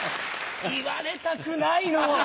言われたくないの！